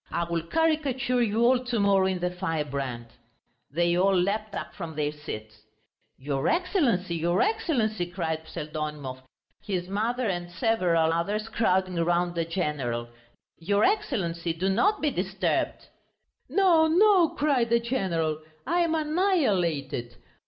"I will caricature you all to morrow in the Firebrand." They all leapt up from their seats. "Your Excellency, your Excellency!" cried Pseldonimov, his mother and several others, crowding round the general; "your Excellency, do not be disturbed!" "No, no," cried the general, "I am annihilated....